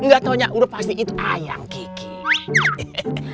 gak taunya udah pasti itu ayang kiki